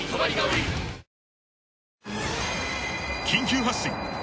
緊急発進。